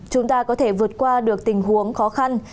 chúng ta có thể vượt qua được tình huống khó khăn